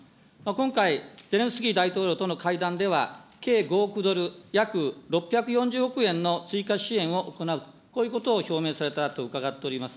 今回、ゼレンスキー大統領との会談では、計５億ドル、約６４０億円の追加支援を行うということをこういうことを表明されたと伺っております。